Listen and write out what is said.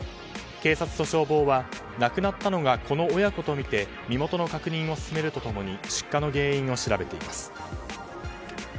警察と消防は亡くなったのはこの親子とみて身元の確認を進めると共に出火の原因を調べています。